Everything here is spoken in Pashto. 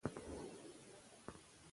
ملالۍ په لوړ ځای درېدله.